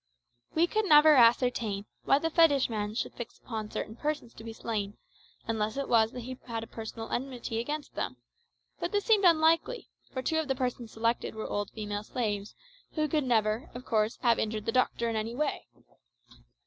We never could ascertain why the fetishman should fix upon certain persons to be slain, unless it was that he had a personal enmity against them; but this seemed unlikely, for two of the persons selected were old female slaves, who could never, of course, have injured the doctor in any way.